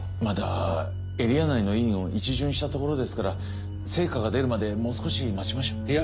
まだエリア内の医院を一巡したところですから成果が出るまでもう少し待ちましょう。